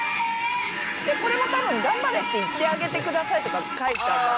「これも多分“頑張れって言ってあげてください”とか書いたんだと」